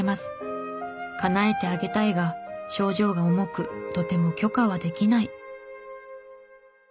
叶えてあげたいが症状が重くとても許可はできない。